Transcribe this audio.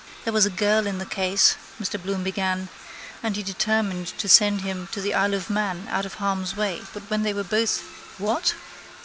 —There was a girl in the case, Mr Bloom began, and he determined to send him to the Isle of Man out of harm's way but when they were both..... —What?